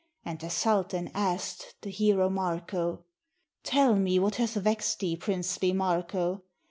And the sultan ask'd the hero Marko, "Tell me what hath vexed thee, princely Marko?